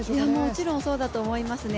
もちろんそうだと思いますね。